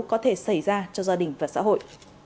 có thể xảy ra cho gia đình và xã hội